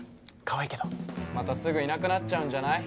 かわいいけどまたすぐいなくなっちゃうんじゃない？